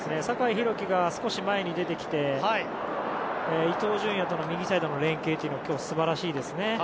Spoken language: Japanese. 酒井宏樹が少し前に出てきて伊東純也との右サイドの連係が今日、素晴らしいですね。